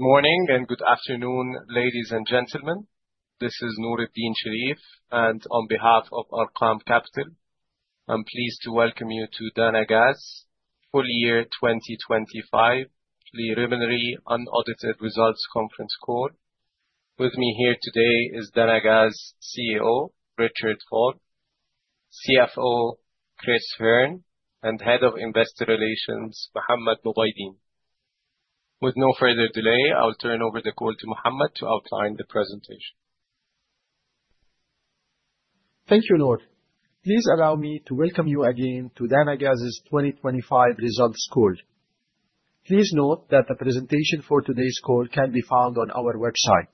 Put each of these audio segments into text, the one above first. Good morning and good afternoon, ladies and gentlemen. This is Nour Eldin Sherif, and on behalf of Arqaam Capital, I'm pleased to welcome you to Dana Gas Full Year 2025 Preliminary Unaudited Results Conference Call. With me here today is Dana Gas CEO Richard Hall, CFO Chris Hearne, and Head of Investor Relations Mohammed Mubaideen. With no further delay, I'll turn over the call to Mohammed to outline the presentation. Thank you, Nour. Please allow me to welcome you again to Dana Gas' 2025 Results Call. Please note that the presentation for today's call can be found on our website.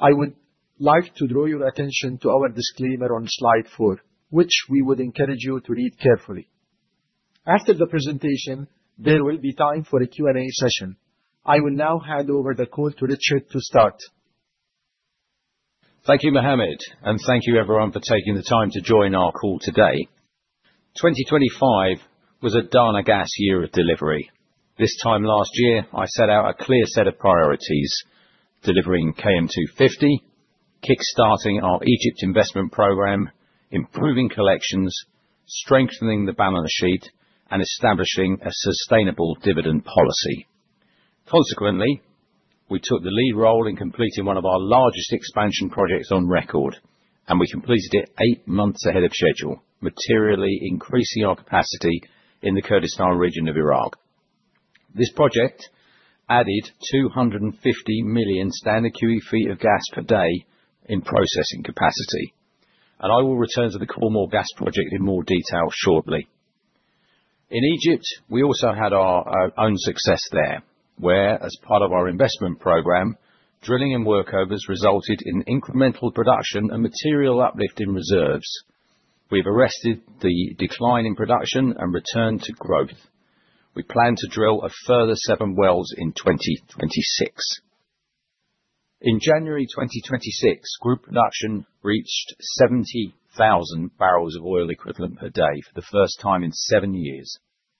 I would like to draw your attention to our disclaimer on slide four, which we would encourage you to read carefully. After the presentation, there will be time for a Q&A session. I will now hand over the call to Richard to start. Thank you, Mohammed, and thank you everyone for taking the time to join our call today. 2025 was a Dana Gas year of delivery. This time last year, I set out a clear set of priorities: delivering KM250, kickstarting our Egypt investment program, improving collections, strengthening the balance sheet, and establishing a sustainable dividend policy. Consequently, we took the lead role in completing one of our largest expansion projects on record, and we completed it 8 months ahead of schedule, materially increasing our capacity in the Kurdistan Region of Iraq. This project added 250 million standard cubic feet of gas per day in processing capacity, and I will return to the Khor Mor gas project in more detail shortly. In Egypt, we also had our own success there, where, as part of our investment program, drilling and workovers resulted in incremental production and material uplift in reserves. We've arrested the decline in production and returned to growth. We plan to drill a further seven wells in 2026. In January 2026, group production reached 70,000 bbl of oil equivalent per day for the first time in seven years,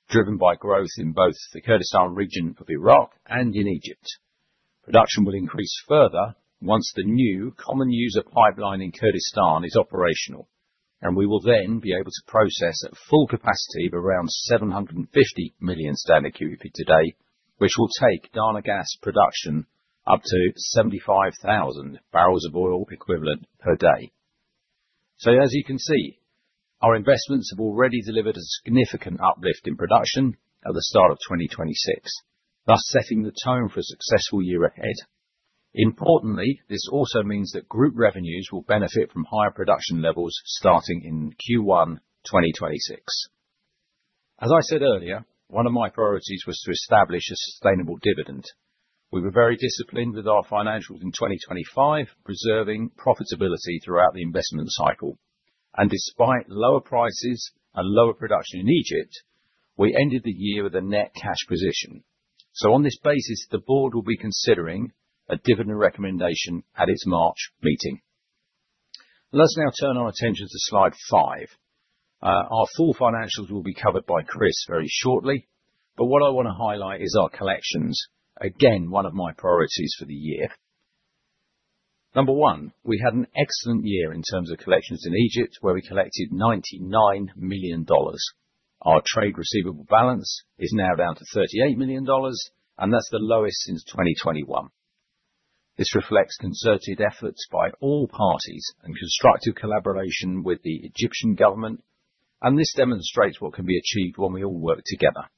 driven by growth in both the Kurdistan Region of Iraq and in Egypt. Production will increase further once the new Common User Pipeline in Kurdistan is operational, and we will then be able to process at full capacity of around 750 million standard cubic feet a day, which will take Dana Gas production up to 75,000 bbl of oil equivalent per day. So, as you can see, our investments have already delivered a significant uplift in production at the start of 2026, thus setting the tone for a successful year ahead. Importantly, this also means that group revenues will benefit from higher production levels starting in Q1 2026. As I said earlier, one of my priorities was to establish a sustainable dividend. We were very disciplined with our financials in 2025, preserving profitability throughout the investment cycle. Despite lower prices and lower production in Egypt, we ended the year with a net cash position. On this basis, the board will be considering a dividend recommendation at its March meeting. Let's now turn our attention to slide 5. Our full financials will be covered by Chris very shortly, but what I want to highlight is our collections, again one of my priorities for the year. Number one, we had an excellent year in terms of collections in Egypt, where we collected $99 million. Our trade receivable balance is now down to $38 million, and that's the lowest since 2021. This reflects concerted efforts by all parties and constructive collaboration with the Egyptian government, and this demonstrates what can be achieved when we all work together.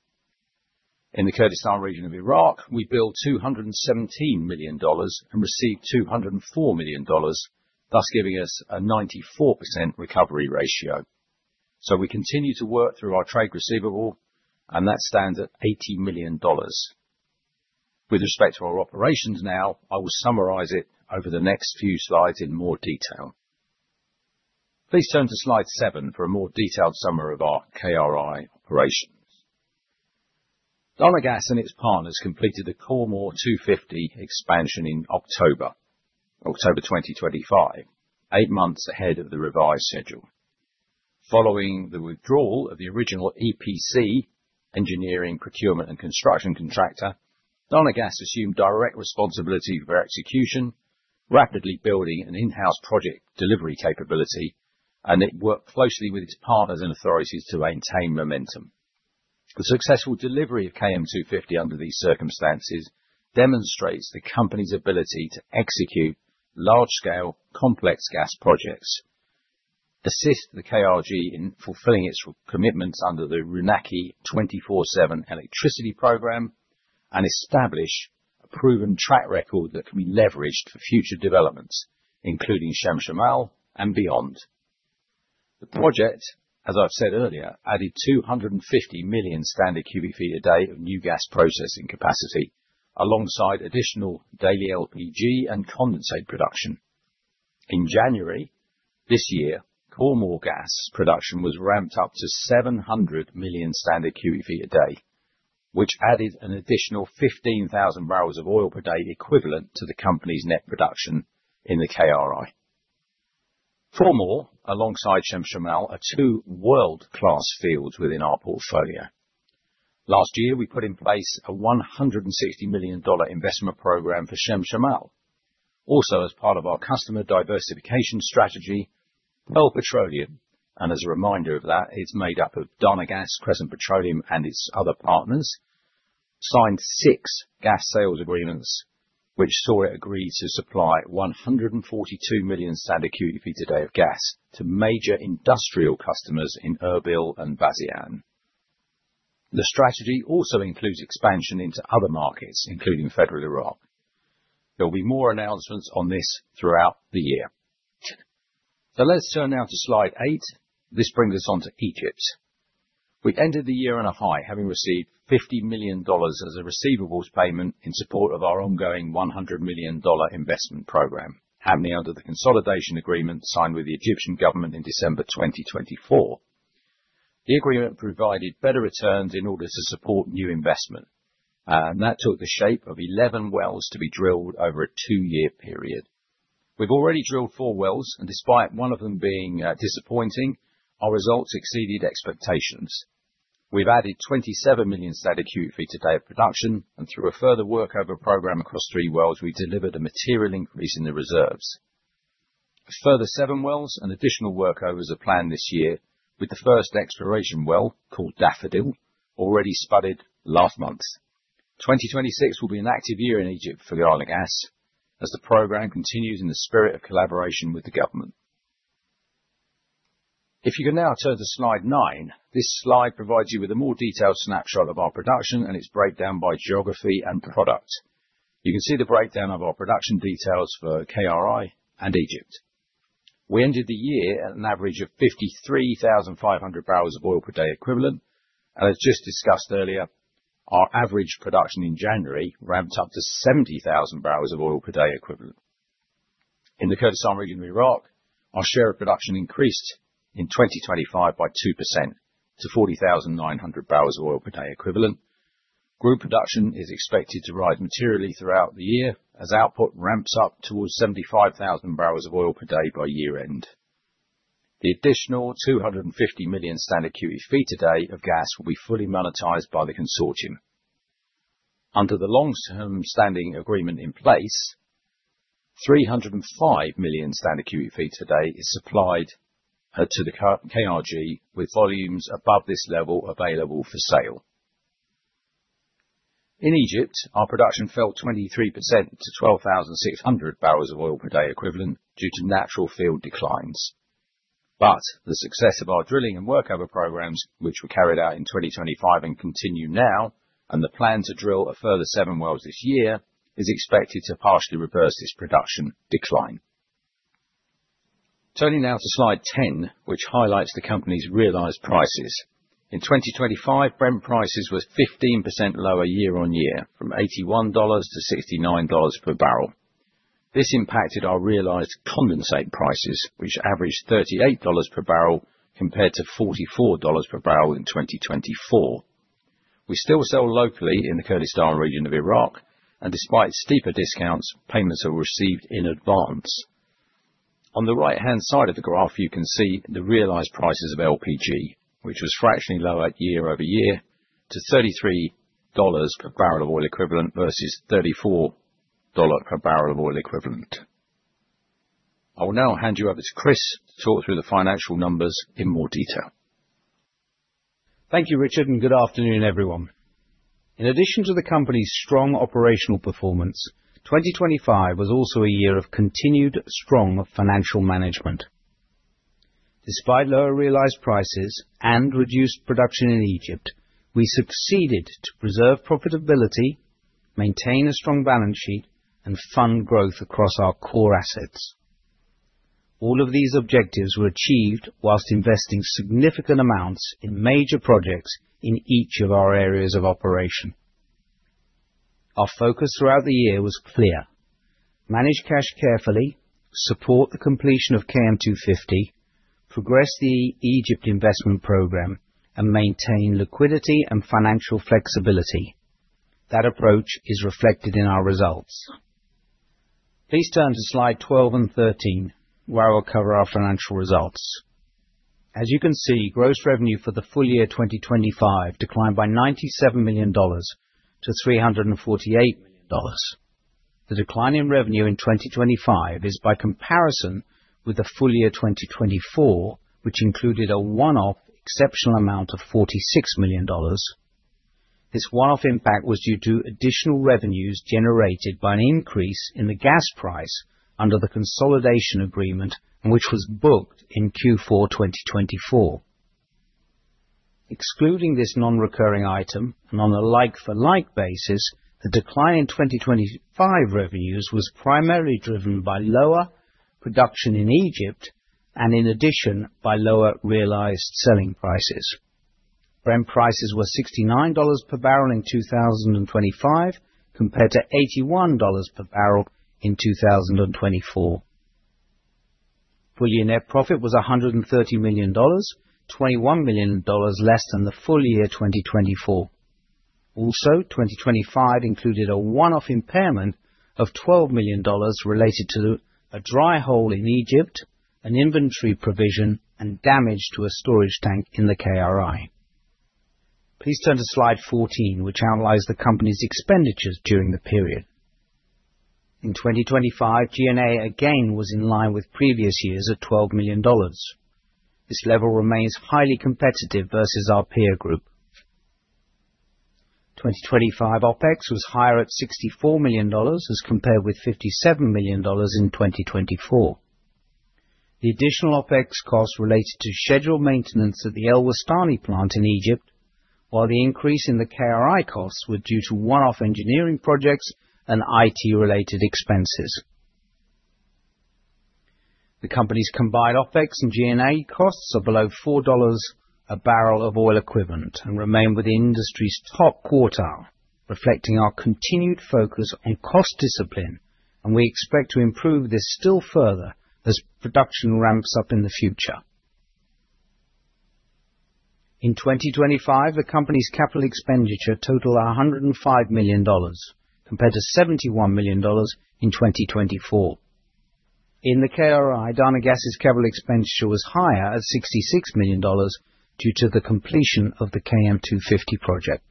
In the Kurdistan Region of Iraq, we billed $217 million and received $204 million, thus giving us a 94% recovery ratio. So, we continue to work through our trade receivable, and that stands at $80 million. With respect to our operations now, I will summarize it over the next few slides in more detail. Please turn to Slide seven for a more detailed summary of our KRI operations. Dana Gas and its partners completed the Khor Mor 250 expansion in October, October 2025, eight months ahead of the revised schedule. Following the withdrawal of the original EPC, Engineering, Procurement, and Construction Contractor, Dana Gas assumed direct responsibility for execution, rapidly building an in-house project delivery capability, and it worked closely with its partners and authorities to maintain momentum. The successful delivery of KM250 under these circumstances demonstrates the company's ability to execute large-scale, complex gas projects, assist the KRG in fulfilling its commitments under the Runaki 24/7 electricity program, and establish a proven track record that can be leveraged for future developments, including Chemchemal and beyond. The project, as I've said earlier, added 250 million standard cubic feet a day of new gas processing capacity, alongside additional daily LPG and condensate production. In January this year, Khor Mor gas production was ramped up to 700 million standard cubic feet a day, which added an additional 15,000 bbl of oil per day equivalent to the company's net production in the KRI. Mor, alongside Chemchemal, are two world-class fields within our portfolio. Last year, we put in place a $160 million investment program for Chemchemal, also as part of our customer diversification strategy, Pearl Petroleum, and as a reminder of that, it's made up of Dana Gas, Crescent Petroleum, and its other partners, signed six gas sales agreements, which saw it agree to supply 142 million standard cubic feet a day of gas to major industrial customers in Erbil and Bazian. The strategy also includes expansion into other markets, including Federal Iraq. There will be more announcements on this throughout the year. So, let's turn now to Slide eight. This brings us on to Egypt. We ended the year on a high, having received $50 million as a receivables payment in support of our ongoing $100 million investment program, happening under the consolidation agreement signed with the Egyptian government in December 2024. The agreement provided better returns in order to support new investment, and that took the shape of 11 wells to be drilled over a two-year period. We've already drilled four wells, and despite one of them being disappointing, our results exceeded expectations. We've added 27 million standard cubic feet a day of production, and through a further workover program across three wells, we delivered a material increase in the reserves. Further, seven wells and additional workovers are planned this year, with the first exploration well, called Daffodil, already spudded last month. 2026 will be an active year in Egypt for the oil and gas, as the program continues in the spirit of collaboration with the government. If you can now turn to Slide nine, this slide provides you with a more detailed snapshot of our production and its breakdown by geography and product. You can see the breakdown of our production details for KRI and Egypt. We ended the year at an average of 53,500 bbl of oil per day equivalent, and as just discussed earlier, our average production in January ramped up to 70,000 bbl of oil per day equivalent. In the Kurdistan Region of Iraq, our share of production increased in 2025 by 2% to 40,900 bbl of oil per day equivalent. Group production is expected to rise materially throughout the year as output ramps up towards 75,000 bbl of oil per day by year-end. The additional 250 million standard cubic feet a day of gas will be fully monetized by the consortium. Under the long-term standing agreement in place, 305 million standard cubic feet a day is supplied to the KRG with volumes above this level available for sale. In Egypt, our production fell 23% to 12,600 bbl of oil per day equivalent due to natural field declines. But the success of our drilling and workover programs, which were carried out in 2025 and continue now, and the plan to drill a further seven wells this year, is expected to partially reverse this production decline. Turning now to Slide 10, which highlights the company's realized prices. In 2025, Brent prices were 15% lower year-on-year, from $81-$69 per barrel. This impacted our realized condensate prices, which averaged $38 per barrel compared to $44 per barrel in 2024. We still sell locally in the Kurdistan Region of Iraq, and despite steeper discounts, payments are received in advance. On the right-hand side of the graph, you can see the realized prices of LPG, which was fractionally lower year-over-year to $33 per barrel of oil equivalent versus $34 per barrel of oil equivalent. I will now hand you over to Chris to talk through the financial numbers in more detail. Thank you, Richard, and good afternoon, everyone. In addition to the company's strong operational performance, 2025 was also a year of continued strong financial management. Despite lower realized prices and reduced production in Egypt, we succeeded to preserve profitability, maintain a strong balance sheet, and fund growth across our core assets. All of these objectives were achieved whilst investing significant amounts in major projects in each of our areas of operation. Our focus throughout the year was clear: manage cash carefully, support the completion of KM250, progress the Egypt investment program, and maintain liquidity and financial flexibility. That approach is reflected in our results. Please turn to Slide 12 and 13, where I will cover our financial results. As you can see, gross revenue for the full year 2025 declined by $97 million-$348 million. The decline in revenue in 2025 is, by comparison with the Full Year 2024, which included a one-off exceptional amount of $46 million. This one-off impact was due to additional revenues generated by an increase in the gas price under the consolidation agreement, which was booked in Q4 2024. Excluding this non-recurring item, and on a like-for-like basis, the decline in 2025 revenues was primarily driven by lower production in Egypt and, in addition, by lower realized selling prices. Brent prices were $69 per barrel in 2025 compared to $81 per barrel in 2024. Full-year net profit was $130 million, $21 million less than the full year 2024. Also, 2025 included a one-off impairment of $12 million related to a dry hole in Egypt, an inventory provision, and damage to a storage tank in the KRI. Please turn to Slide 14, which analyzes the company's expenditures during the period. In 2025, G&A again was in line with previous years at $12 million. This level remains highly competitive versus our peer group. 2025 OpEx was higher at $64 million as compared with $57 million in 2024. The additional OpEx costs related to scheduled maintenance at the El Wastani plant in Egypt, while the increase in the KRI costs was due to one-off engineering projects and IT-related expenses. The company's combined OpEx and G&A costs are below $4 a barrel of oil equivalent and remain within industry's top quartile, reflecting our continued focus on cost discipline, and we expect to improve this still further as production ramps up in the future. In 2025, the company's capital expenditure totaled $105 million compared to $71 million in 2024. In the KRI, Dana Gas' capital expenditure was higher at $66 million due to the completion of the KM250 project.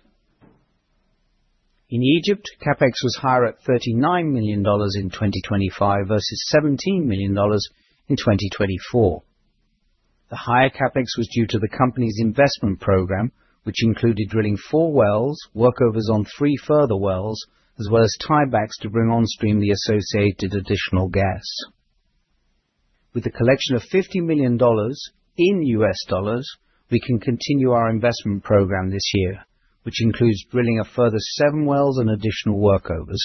In Egypt, CapEx was higher at $39 million in 2025 versus $17 million in 2024. The higher CapEx was due to the company's investment program, which included drilling four wells, workovers on three further wells, as well as tie-backs to bring onstream the associated additional gas. With the collection of $50 million in U.S. dollars, we can continue our investment program this year, which includes drilling a further seven wells and additional workovers.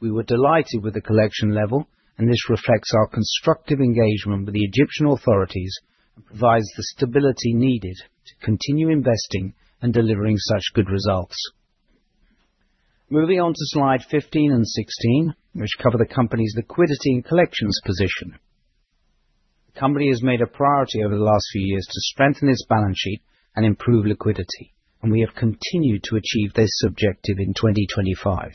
We were delighted with the collection level, and this reflects our constructive engagement with the Egyptian authorities and provides the stability needed to continue investing and delivering such good results. Moving on to Slide 15 and 16, which cover the company's liquidity and collections position. The company has made a priority over the last few years to strengthen its balance sheet and improve liquidity, and we have continued to achieve this objective in 2025.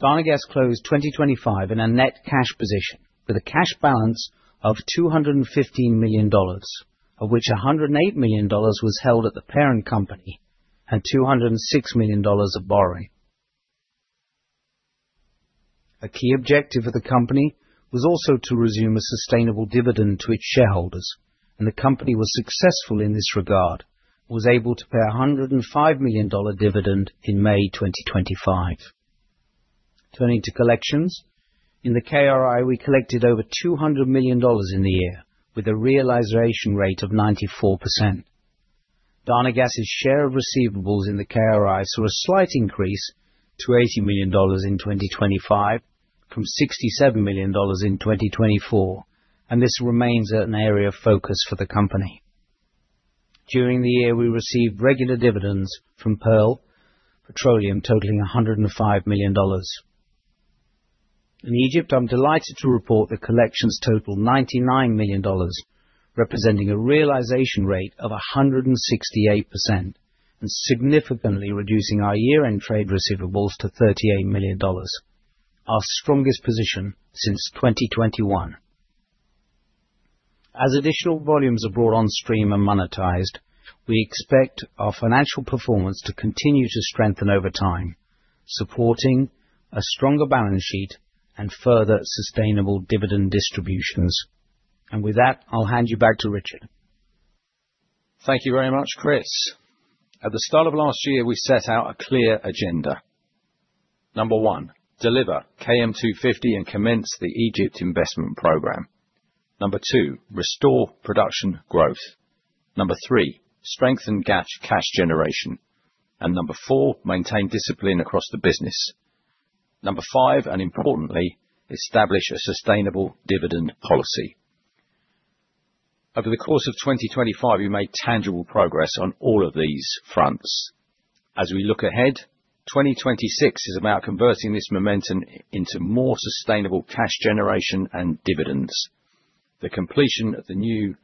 Dana Gas closed 2025 in a net cash position with a cash balance of $215 million, of which $108 million was held at the parent company and $206 million of borrowing. A key objective of the company was also to resume a sustainable dividend to its shareholders, and the company was successful in this regard and was able to pay a $105 million dividend in May 2025. Turning to collections, in the KRI we collected over $200 million in the year, with a realization rate of 94%. Dana Gas's share of receivables in the KRI saw a slight increase to $80 million in 2025 from $67 million in 2024, and this remains an area of focus for the company. During the year, we received regular dividends from Pearl Petroleum, totaling $105 million. In Egypt, I am delighted to report the collections totaled $99 million, representing a realization rate of 168% and significantly reducing our year-end trade receivables to $38 million, our strongest position since 2021. As additional volumes are brought onstream and monetized, we expect our financial performance to continue to strengthen over time, supporting a stronger balance sheet and further sustainable dividend distributions. And with that, I will hand you back to Richard. Thank you very much, Chris. At the start of last year, we set out a clear agenda. Number one, deliver KM250 and commence the Egypt investment program. Number two, restore production growth. Number three, strengthen cash generation. And number four, maintain discipline across the business. Number five, and importantly, establish a sustainable dividend policy. Over the course of 2025, we made tangible progress on all of these fronts. As we look ahead, 2026 is about converting this momentum into more sustainable cash generation and dividends. The completion of the new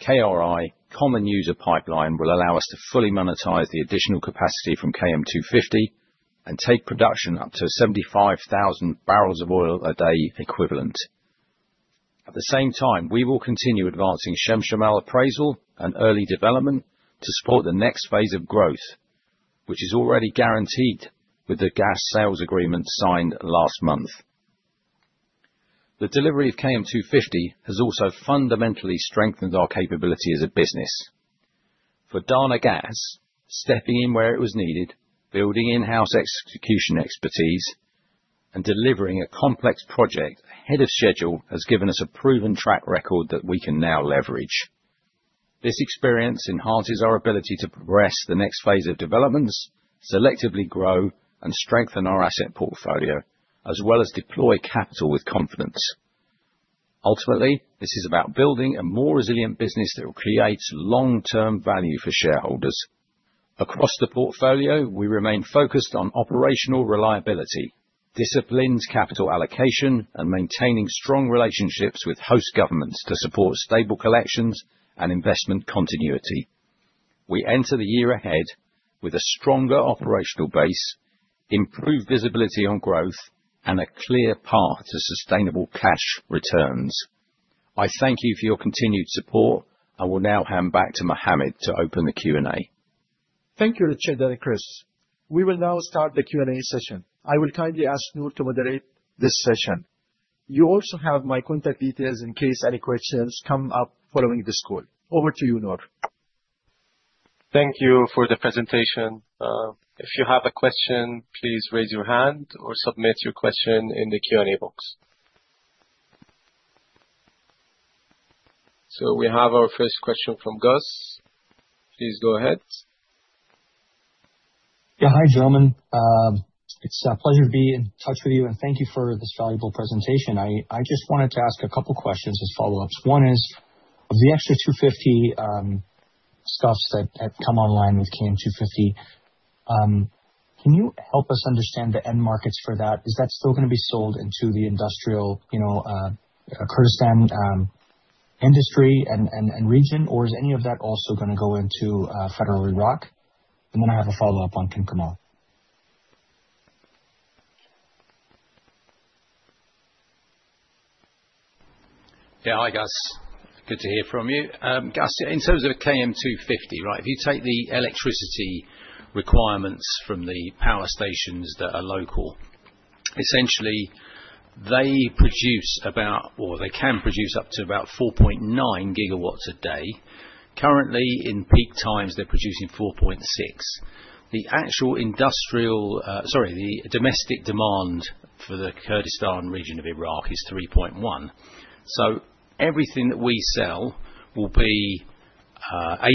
KRI Common User Pipeline will allow us to fully monetize the additional capacity from KM250 and take production up to 75,000 bbl of oil equivalent a day. At the same time, we will continue advancing Chemchemal appraisal and early development to support the next phase of growth, which is already guaranteed with the gas sales agreement signed last month. The delivery of KM250 has also fundamentally strengthened our capability as a business. For Dana Gas, stepping in where it was needed, building in-house execution expertise, and delivering a complex project ahead of schedule has given us a proven track record that we can now leverage. This experience enhances our ability to progress the next phase of developments, selectively grow, and strengthen our asset portfolio, as well as deploy capital with confidence. Ultimately, this is about building a more resilient business that creates long-term value for shareholders. Across the portfolio, we remain focused on operational reliability, disciplined capital allocation, and maintaining strong relationships with host governments to support stable collections and investment continuity. We enter the year ahead with a stronger operational base, improved visibility on growth, and a clear path to sustainable cash returns. I thank you for your continued support, and will now hand back to Mohammed to open the Q&A. Thank you, Richard, and Chris. We will now start the Q&A session. I will kindly ask Nour to moderate this session. You also have my contact details in case any questions come up following this call. Over to you, Nour. Thank you for the presentation. If you have a question, please raise your hand or submit your question in the Q&A box. We have our first question from Gus. Please go ahead. Yeah, hi, Jonathan. It's a pleasure to be in touch with you, and thank you for this valuable presentation. I just wanted to ask a couple of questions as follow-ups. One is, of the extra 250 scf that had come online with KM250, can you help us understand the end markets for that? Is that still going to be sold into the industrial Kurdistan industry and region, or is any of that also going to go into Federal Iraq? And then I have a follow-up on Chemchemal. Hi, Gus. Good to hear from you. Gus, in terms of KM250, if you take the electricity requirements from the power stations that are local, essentially, they produce about or they can produce up to about 4.9 GW a day. Currently, in peak times, they're producing 4.6 GW. The actual industrial sorry, the domestic demand for the Kurdistan Region of Iraq is 3.1 GW. So everything that we sell will be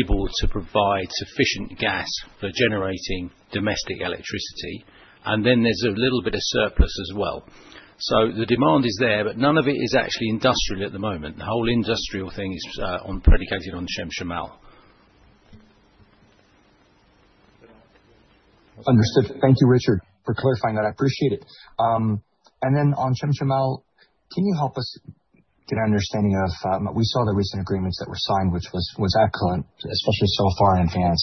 able to provide sufficient gas for generating domestic electricity, and then there's a little bit of surplus as well. So the demand is there, but none of it is actually industrial at the moment. The whole industrial thing is predicated on Chemchemal. Understood. Thank you, Richard, for clarifying that. I appreciate it and then on Chemchemal, can you help us get an understanding of we saw the recent agreements that were signed, which was excellent, especially so far in advance.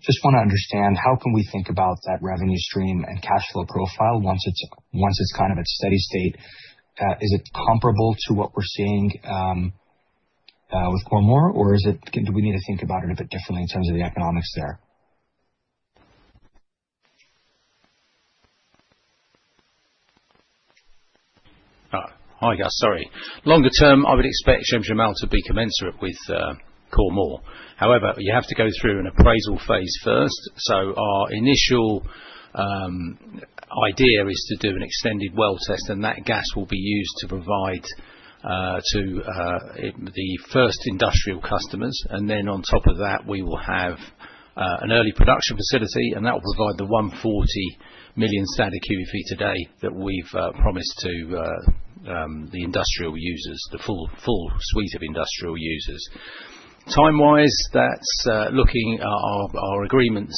Just want to understand, how can we think about that revenue stream and cash flow profile once it's kind of at steady state? Is it comparable to what we're seeing with Khor Mor, or do we need to think about it a bit differently in terms of the economics there? Hi, Gus. Sorry. Longer term, I would expect Chemchemal to be commensurate with Khor Mor. However, you have to go through an appraisal phase first. So our initial idea is to do an extended well test, and that gas will be used to provide to the first industrial customers and then on top of that, we will have an early production facility, and that will provide the 140 million standard cubic feet a day that we've promised to the industrial users, the full suite of industrial users. Time-wise, our agreements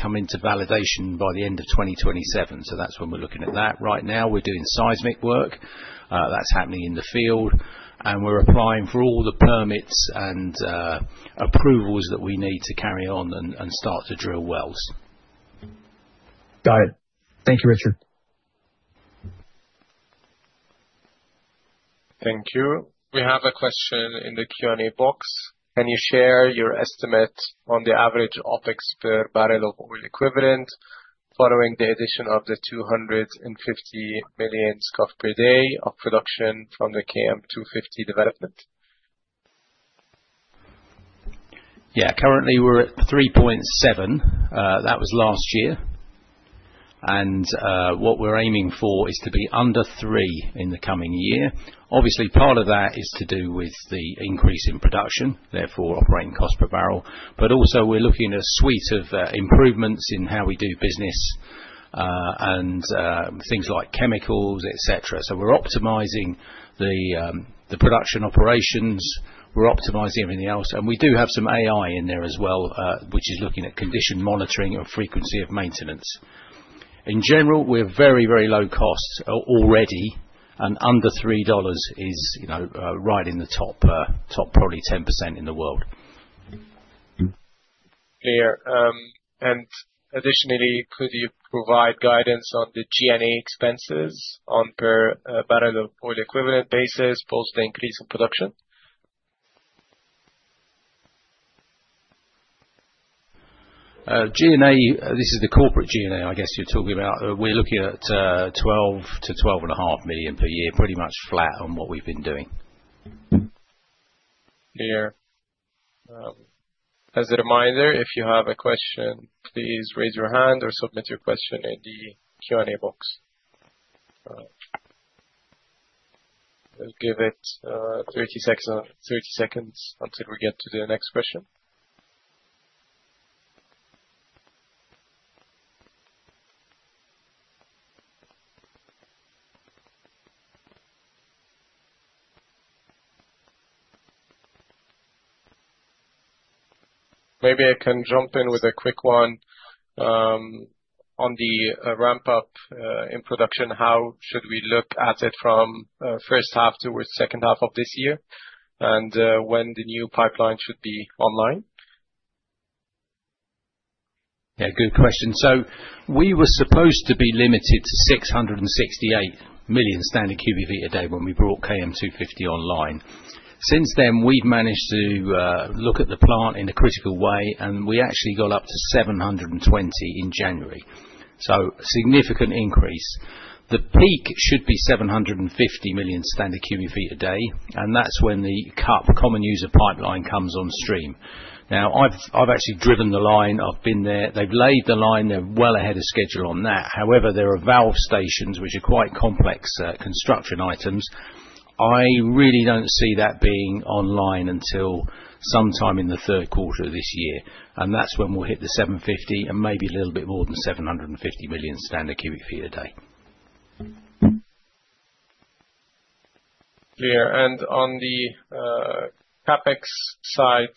come into validation by the end of 2027, so that's when we're looking at that. Right now, we're doing seismic work. That's happening in the field, and we're applying for all the permits and approvals that we need to carry on and start to drill wells. Got it. Thank you, Richard. Thank you. We have a question in the Q&A box. Can you share your estimate on the average OpEx per barrel of oil equivalent following the addition of the 250 million scf per day of production from the KM250 development? Yeah. Currently, we're at 3.7. That was last year and what we're aiming for is to be under $3 in the coming year. Obviously, part of that is to do with the increase in production, therefore, operating cost per barrel. But also, we're looking at a suite of improvements in how we do business and things like chemicals, etc. So we're optimizing the production operations. We're optimizing everything else and we do have some AI in there as well, which is looking at condition monitoring and frequency of maintenance. In general, we're very, very low cost already, and under $3 is right in the top, probably 10% in the world. Clear. And additionally, could you provide guidance on the G&A expenses on per barrel of oil equivalent basis post the increase in production? G&A, this is the corporate G&A, I guess you're talking about. We're looking at $12-$12.5 million per year, pretty much flat on what we've been doing. Clear. As a reminder, if you have a question, please raise your hand or submit your question in the Q&A box. We'll give it 30 seconds until we get to the next question. Maybe I can jump in with a quick one on the ramp-up in production. How should we look at it from first half towards second half of this year and when the new pipeline should be online? Yeah, good question. So we were supposed to be limited to 668 million standard cubic feet a day when we brought KM250 online. Since then, we've managed to look at the plant in a critical way, and we actually got up to 720 in January. So significant increase. The peak should be 750 million standard cubic feet a day, and that's when the CUP common user pipeline comes onstream. Now, I've actually driven the line. I've been there. They've laid the line. They're well ahead of schedule on that. However, there are valve stations, which are quite complex construction items. I really don't see that being online until sometime in the third quarter of this year. And that's when we'll hit the 750 and maybe a little bit more than 750 million standard cubic feet a day. Clear. On the CapEx side,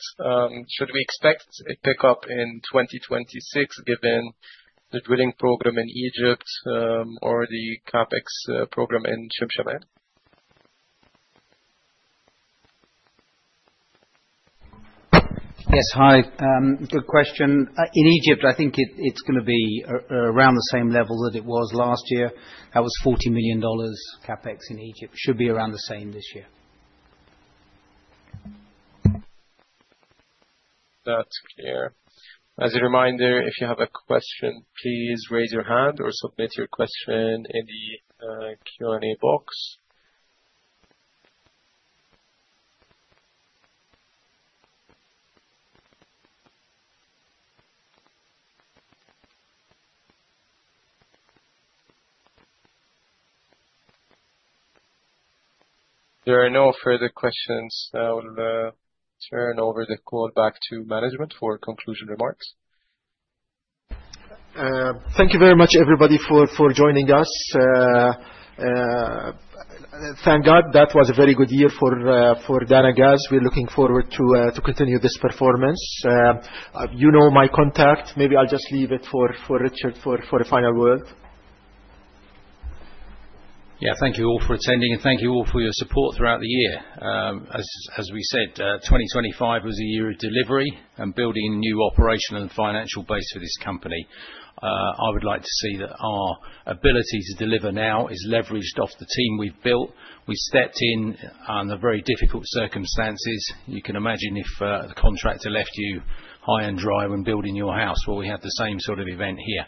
should we expect a pickup in 2026 given the drilling program in Egypt or the CapEx program in Chemchemal? Yes, hi. Good question. In Egypt, I think it's going to be around the same level that it was last year. That was $40 million CapEx in Egypt. Should be around the same this year. That's clear. As a reminder, if you have a question, please raise your hand or submit your question in the Q&A box. There are no further questions. I will turn over the call back to management for conclusion remarks. Thank you very much, everybody, for joining us. Thank God that was a very good year for Dana Gas. We're looking forward to continue this performance. You know my contact. Maybe I'll just leave it for Richard for a final word. Yeah, thank you all for attending, and thank you all for your support throughout the year. As we said, 2025 was a year of delivery and building a new operational and financial base for this company. I would like to see that our ability to deliver now is leveraged off the team we've built. We stepped in under very difficult circumstances. You can imagine if the contractor left you high and dry when building your house. Well, we had the same sort of event here.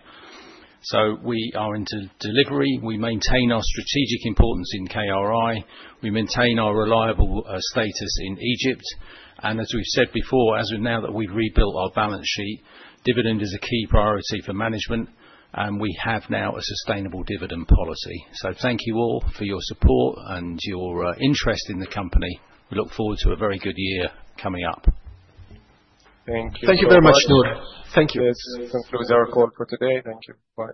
So we are into delivery. We maintain our strategic importance in KRI. We maintain our reliable status in Egypt. And as we've said before, now that we've rebuilt our balance sheet, dividend is a key priority for management, and we have now a sustainable dividend policy. So thank you all for your support and your interest in the company. We look forward to a very good year coming up. Thank you. Thank you very much, Nour. Thank you. This concludes our call for today. Thank you.